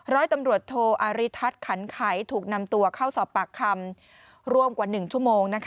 ร้อยตำรวจโทอาริทัศน์ขันไขถูกนำตัวเข้าสอบปากคำร่วมกว่า๑ชั่วโมง